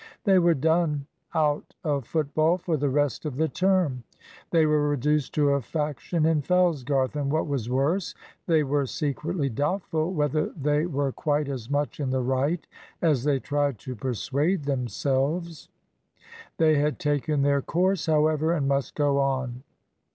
They were done out of football for the rest of the term; they were reduced to a faction in Fellsgarth, and what was worse, they were secretly doubtful whether they were quite as much in the right as they tried to persuade themselves. They had taken their course, however, and must go on.